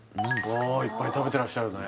ああいっぱい食べてらっしゃるね